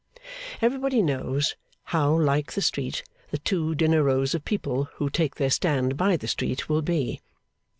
Everybody knows how like the street the two dinner rows of people who take their stand by the street will be.